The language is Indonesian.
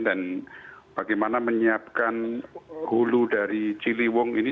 dan bagaimana menyiapkan hulu dari ciliwung ini